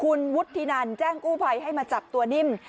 คุณวุฒินันแจ้งกู้ภัยให้มาจับตัวนิ่ม